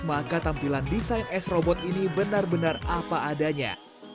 maka tampilan desain s robot ini benar benar apa adanya